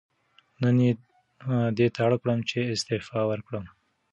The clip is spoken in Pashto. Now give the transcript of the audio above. نن یې دې ته اړ کړم چې استعفا ورکړم.